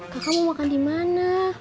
kakak mau makan di mana